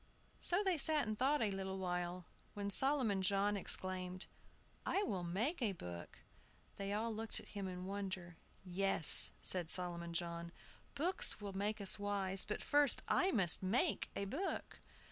So they sat and thought a little while, when Solomon John exclaimed, "I will make a book!" They all looked at him in wonder. "Yes," said Solomon John, "books will make us wise, but first I must make a book."